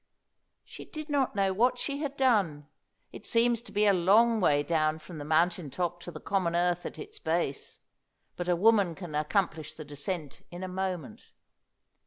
She did not know what she had done. It seems to be a long way down from the mountain top to the common earth at its base; but a woman can accomplish the descent in a moment.